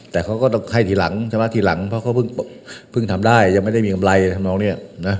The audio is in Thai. แต่เขาก็ต้องชำระทีหลังเพราะเขาเพิ่งทำได้ยังไม่ได้มีกำไร